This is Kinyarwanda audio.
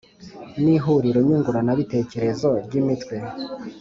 N ihuriro nyunguranabitekerezo ry imitwe